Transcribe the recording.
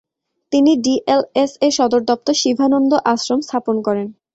তিনি ডিএলএস এর সদর দপ্তর শিভানন্দ আশ্রম স্থাপন করেন।